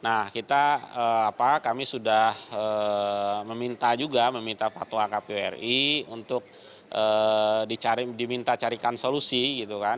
nah kita kami sudah meminta juga meminta fatwa kpwri untuk diminta carikan solusi gitu kan